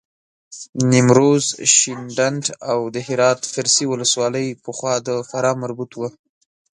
نیمروز، شینډنداو د هرات فرسي ولسوالۍ پخوا د فراه مربوط وه.